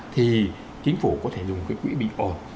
thì chính phủ có thể dùng cái quỹ bình ổn